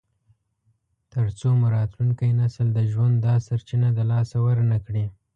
تر څو مو راتلونکی نسل د ژوند دا سرچینه د لاسه ورنکړي.